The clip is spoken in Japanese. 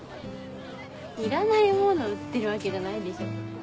いらないもの売ってるわけじゃないでしょ。